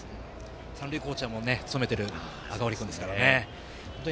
三塁コーチャーも務める赤堀君ですからね。